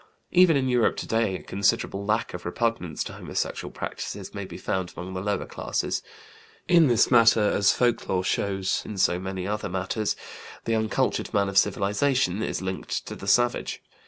Even in Europe today a considerable lack of repugnance to homosexual practices may be found among the lower classes. In this matter, as folklore shows in so many other matters, the uncultured man of civilization is linked to the savage.